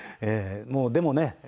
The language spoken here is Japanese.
もうでもね